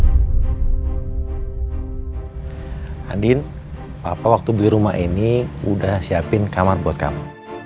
adin papa waktu beli rumah ini udah siapin kamar buat kamu